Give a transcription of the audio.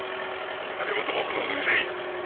戯言もほどほどにせい！